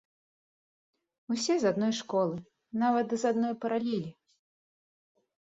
Усе з адной школы, нават з адной паралелі.